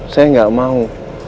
saya gak mau